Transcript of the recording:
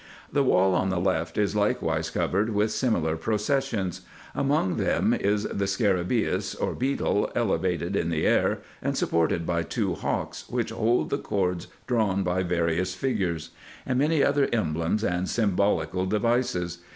The wall on the left is likewise covered with similar processions. Among them is the scarabaeus, or beetle, elevated in the air, and supported by two hawks, which hold the cords drawn by various figures; and many other emblems and symbolical devices.